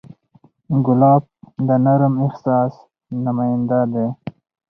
ګلاب د نرم احساس نماینده دی.